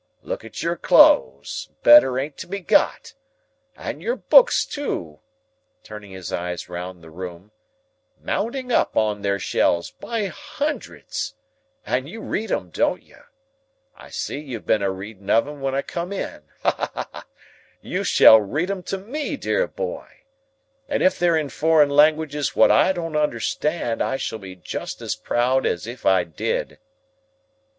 Look at your clothes; better ain't to be got! And your books too," turning his eyes round the room, "mounting up, on their shelves, by hundreds! And you read 'em; don't you? I see you'd been a reading of 'em when I come in. Ha, ha, ha! You shall read 'em to me, dear boy! And if they're in foreign languages wot I don't understand, I shall be just as proud as if I did."